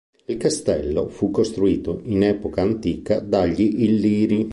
Il castello fu costruito in epoca antica dagli Illiri.